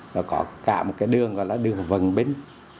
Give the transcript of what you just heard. nó có cả một cái đường gọi là đường vận binh